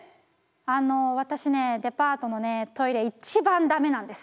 あの私ねデパートのトイレ一番ダメなんです。